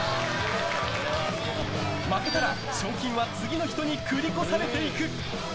負けたら賞金は次の人に繰り越されていく。